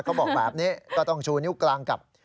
เขาบอกแบบนี้ก็ต้องชูนิ้วกลางกับ